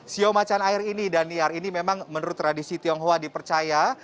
siomacan air ini dan niat ini memang menurut tradisi tionghoa dipercaya